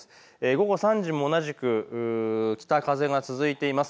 午後３時も同じく北風が続いています。